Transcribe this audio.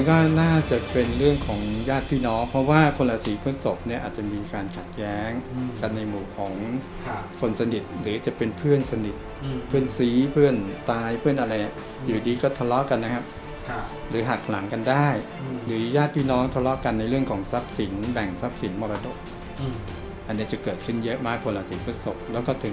ก็น่าจะเป็นเรื่องของญาติพี่น้องเพราะว่าคนราศีพฤศพเนี่ยอาจจะมีการขัดแย้งกันในหมู่ของคนสนิทหรือจะเป็นเพื่อนสนิทเพื่อนซีเพื่อนตายเพื่อนอะไรอยู่ดีก็ทะเลาะกันนะครับหรือหักหลังกันได้หรือญาติพี่น้องทะเลาะกันในเรื่องของทรัพย์สินแบ่งทรัพย์สินมรดกอันนี้จะเกิดขึ้นเยอะมากคนละสีพฤศพ